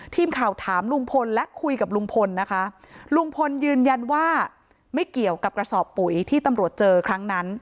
ทีมข่าวถามลุงพลและคุยกับลุงพลนะคะลุงพลยืนยันว่าไม่เกี่ยวกับกระสอบปุ๋ยที่ตำรวจเจอครั้งนั้น